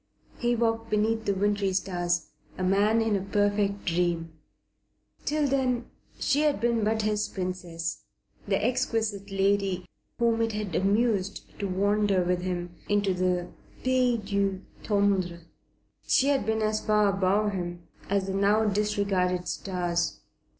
He walked beneath the wintry stars, a man in a perfect dream. Till then she had been but his Princess, the exquisite lady whom it had amused to wander with him into the pays du tendre. She had been as far above him as the now disregarded stars.